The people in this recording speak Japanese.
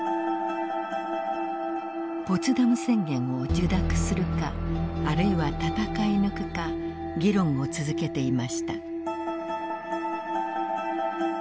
ポツダム宣言を受諾するかあるいは戦い抜くか議論を続けていました。